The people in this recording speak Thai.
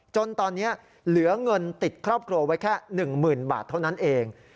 จนตอนนี้เหลือเงินติดครอบครัวไว้แค่๑๐๐๐บาทเท่านั้นเอง